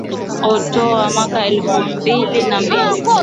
outoa mwaka wa elfu mbili na mbili